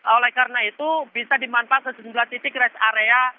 oleh karena itu bisa dimanfaatkan sejenak titik rest area